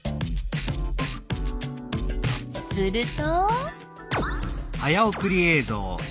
すると。